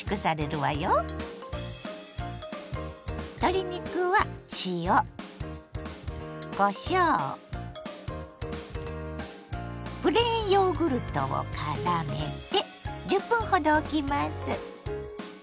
鶏肉は塩こしょうプレーンヨーグルトをからめて１０分ほどおきます。